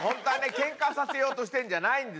けんかさせようとしてんじゃないんですよ。